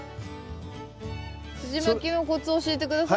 すじまきのコツ教えて下さい。